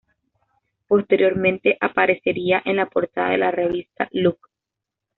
Posteriormente aparecería en la portada de la revista" Look".